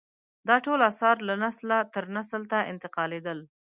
دا ټول اثار له نسله تر نسل ته انتقالېدل.